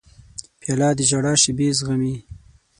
پیاله د ژړا شېبې زغمي.